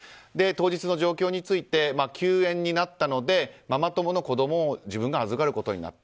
ここから食い違っているわけですが当日の状況について休園になったのでママ友の子供を自分が預かることになった。